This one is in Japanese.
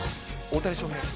大谷翔平。